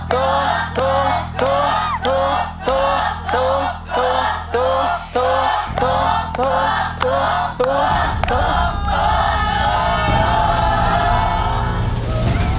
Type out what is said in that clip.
ถูก